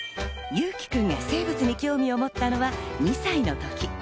侑輝くんが生物に興味を持ったのは、２歳のとき。